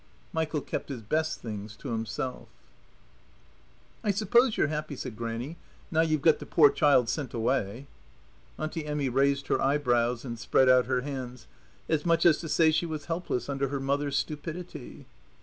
Michael kept his best things to himself. "I suppose you're happy," said Grannie, "now you've got the poor child sent away." Auntie Emmy raised her eyebrows and spread out her hands, as much as to say she was helpless under her mother's stupidity.